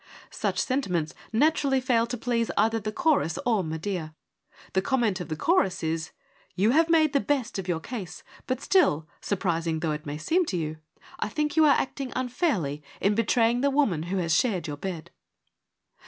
Such sentiments naturally fail to please either the chorus or Medea. The comment of the chorus is, ' You have made the best of your case, but still, surprising though it may seem to you, I think you 124 FEMINISM IN GREEK LITERATURE are acting unfairly in betraying the woman who has shared your bed.'